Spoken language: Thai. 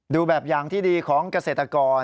ดูแบบอย่างที่ดีของเกษตรกร